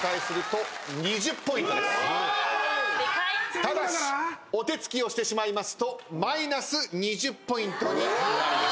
ただしお手つきをしてしまいますとマイナス２０ポイントになります。